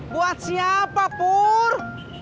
buat siapa pur